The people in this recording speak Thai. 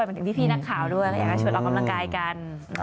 หมายถึงพี่นักข่าวด้วยแล้วอยากจะชวนออกกำลังกายกัน